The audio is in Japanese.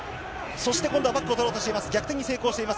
そして今度はバックを取ろうとしています。